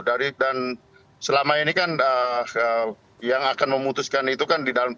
dan selama ini kan yang akan memutuskan itu kan di dalam